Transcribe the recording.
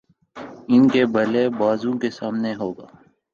ان کے بلے بازوں کے سامنے ہو گا